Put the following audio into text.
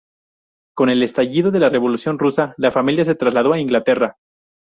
Con el estallido de la Revolución rusa la familia se trasladó a Inglaterra.